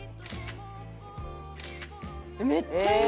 「めっちゃいい！」